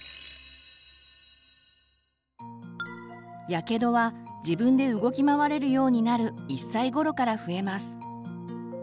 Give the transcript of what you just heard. やけどは自分で動き回れるようになる１歳ごろから増えます。